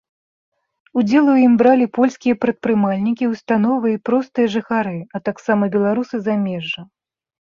Удзел у ім бралі польскія прадпрымальнікі, установы і простыя жыхары, а таксама беларусы замежжа.